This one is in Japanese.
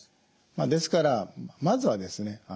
ですからまずはですね